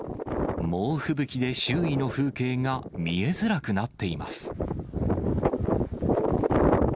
猛吹雪で周囲の風景が見えづらくなっています。